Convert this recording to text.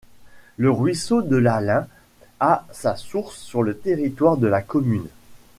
Le ruisseau de l'Alin a sa source sur le territoire de la commune.